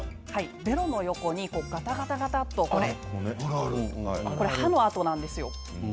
ベロの横にがたがたとこれは歯の痕なんですよ。